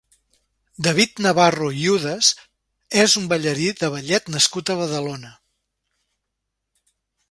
David Navarro Yudes és un ballarí de ballet nascut a Badalona.